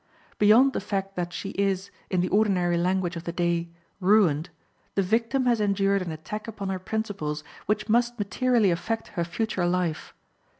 Beyond the fact that she is, in the ordinary language of the day, ruined, the victim has endured an attack upon her principles which must materially affect her future life.